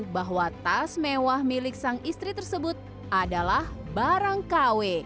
bahwa tas mewah milik sang istri tersebut adalah barang kw